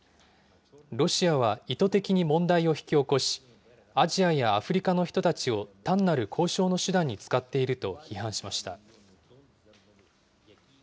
ロシアは意図的に問題を引き起こし、アジアやアフリカの人たちを単なる交渉の手段に使っていると批判しました。